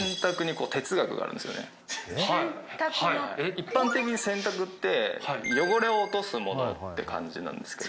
一般的に洗濯って汚れを落とすものって感じなんですけど。